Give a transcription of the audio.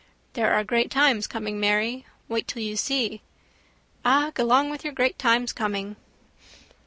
—There are great times coming, Mary. Wait till you see. —Ah, gelong with your great times coming.